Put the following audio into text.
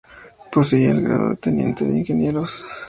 Poseía el grado de teniente de ingenieros.